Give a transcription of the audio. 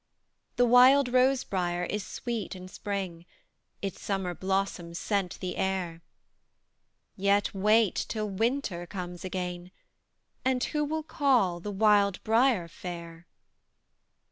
The wild rose briar is sweet in spring, Its summer blossoms scent the air; Yet wait till winter comes again, And who will call the wild briar fair?